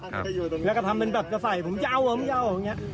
แล้วก็ทำเป็นแบบจะใส่ผมจะเอาผมจะเอาอะไรอ่ะ